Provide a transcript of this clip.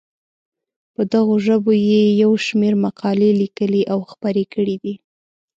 په دغو ژبو یې یو شمېر مقالې لیکلي او خپرې کړې دي.